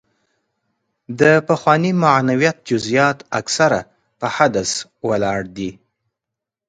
د پخواني معنویت جزیات اکثره په حدس ولاړ دي.